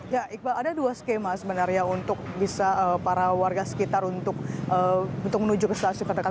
ya iqbal ada dua skema sebenarnya untuk bisa para warga sekitar untuk menuju ke stasiun terdekat